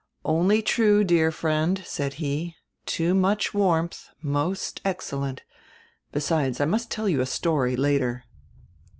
"Only too true, dear friend," said he. "Too much warmth — most excellent — Besides, I must tell you a story, later."